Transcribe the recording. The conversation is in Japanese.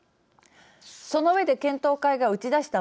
その上で検討会が打ち出した